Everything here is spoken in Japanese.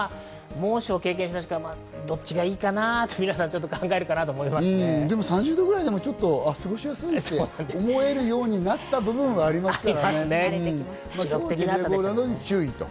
猛暑を経験しましたので、どっちがいいかなぁと皆さん考えるかなと思い３０度くらいでも過ごしやすいと思えるようになった部分はあるかな。